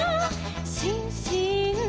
「しんしん」「」